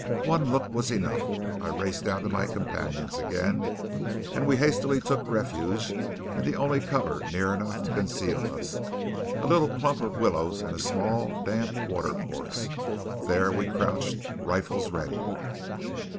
One look was enough. I raced down to my companions again; and we hastily took refuge in the only cover near enough to conceal us a little clump of willows in a small, damp watercourse. There we crouched, rifles ready.